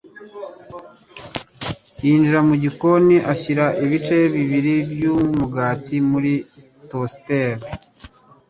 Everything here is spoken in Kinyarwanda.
yinjira mu gikoni ashyira ibice bibiri by'umugati muri toasteri.